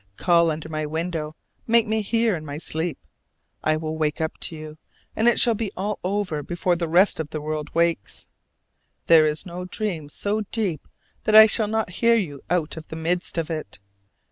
Call under my window, make me hear in my sleep. I will wake up to you, and it shall be all over before the rest of the world wakes. There is no dream so deep that I shall not hear you out of the midst of it.